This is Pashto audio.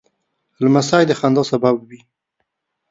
لمسی د خندا سبب وي.